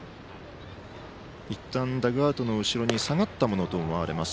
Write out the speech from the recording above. いったん、ダグアウトの後ろに下がったものと見られます。